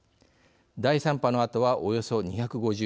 第３波のあとはおよそ２５０人